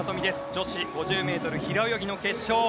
女子５０ｍ平泳ぎの決勝。